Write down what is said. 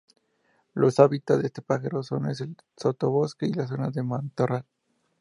Los hábitats de este pájaro son es el sotobosque y las zonas de matorral.